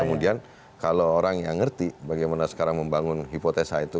kemudian kalau orang yang ngerti bagaimana sekarang membangun hipotesa itu